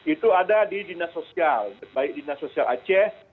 itu ada di dinas sosial baik dinas sosial aceh